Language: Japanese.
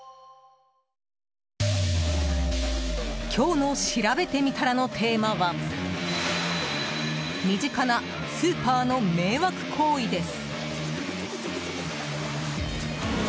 今日のしらべてみたらのテーマは身近なスーパーの迷惑行為です。